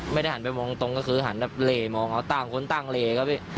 ไม่ได้หันไปมองตรงก็คือหันแบบเหลมองเขาต่างคนต่างเหลครับพี่